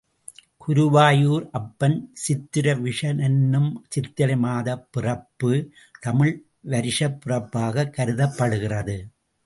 குருவாயூர் அப்பன் சித்திரை விஷு என்னும் சித்திரை மாதப் பிறப்பு தமிழ் வருஷப் பிறப்பாகக் கருதப்படுகிறது.